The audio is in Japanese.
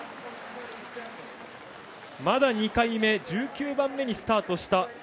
まだ２回目１９番目にスタートした